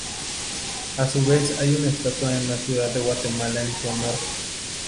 A su vez hay una estatua en la ciudad de Guatemala en su honor.